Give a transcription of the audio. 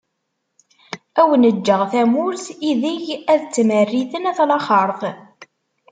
Ad awen-ğğeγ tamurt, ideg ad tmerriten at laxert.